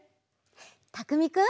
たくみくん。